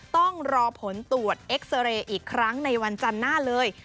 ต้องรอผลตรวจเอ็กซาเรย์อีกครั้งในวันจันทร์หน้าเลย